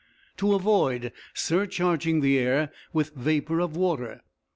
To avoid surcharging the air with vapour of water.